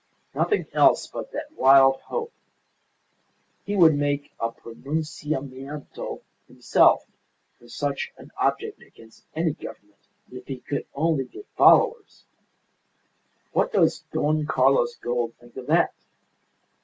Nothing else but that wild hope! He would make a pronunciamiento himself for such an object against any Government if he could only get followers! What does Don Carlos Gould think of that?